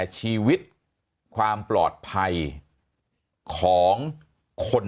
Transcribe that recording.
มีความรู้สึกว่า